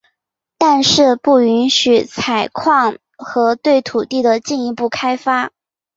但是不允许采矿和对土地的进一步开发。